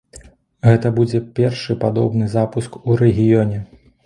Гэта будзе першы падобны запуск у рэгіёне.